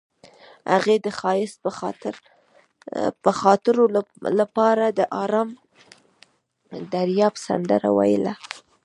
هغې د ښایسته خاطرو لپاره د آرام دریاب سندره ویله.